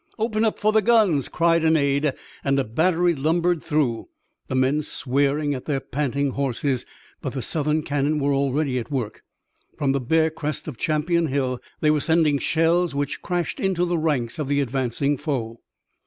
"Open up for the guns!" cried an aide, and a battery lumbered through, the men swearing at their panting horses. But the Southern cannon were already at work. From the bare crest of Champion Hill they were sending shells which crashed in the ranks of the advancing foe.